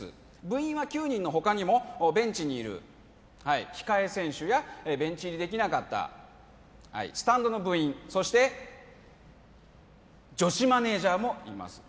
部員は９人のほかにもベンチにいる控え選手やベンチ入りできなかったスタンドの部員そして女子マネージャーもいます